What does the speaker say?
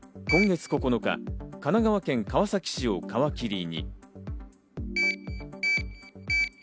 今月９日、神奈川県川崎市を皮切りに。